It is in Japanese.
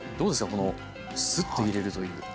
このすって入れるという。